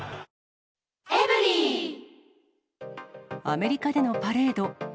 アメリカでのパレード。